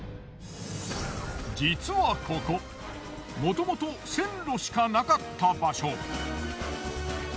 実はここもともと線路しかなかった場所。